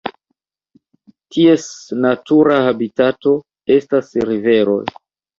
Ties natura habitato estas riveroj.